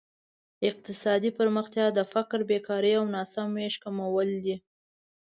اقتصادي پرمختیا د فقر، بېکارۍ او ناسم ویش کمول دي.